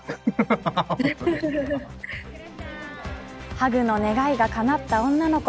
ハグの願いがかなった女の子。